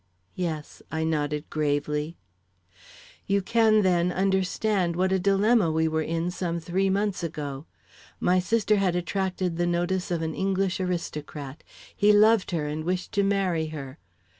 "Yes," I nodded gravely. "You can, then, understand what a dilemma we were in some three months ago. My sister had attracted the notice of an English aristocrat. He loved her and wished to marry her.